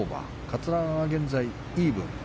桂川は現在イーブン。